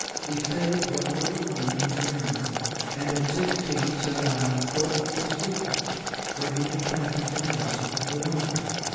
He saved what little money he could earn, and at sixteen set out on foot for the sea coast, where he took passage in a vessel for London.